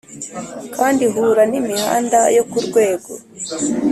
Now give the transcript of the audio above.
Kandi ihura n imihanda yo ku rwego